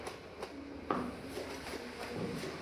چین په صنعتي تولید کې لومړی دی.